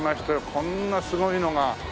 こんなすごいのが。